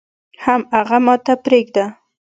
حم اغه ماته پرېده.